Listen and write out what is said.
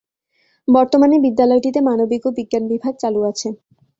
বর্তমানে বিদ্যালয়টিতে মানবিক ও বিজ্ঞান বিভাগ চালু আছে।